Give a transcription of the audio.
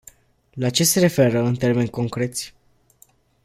La ce se referă, în termeni concreți?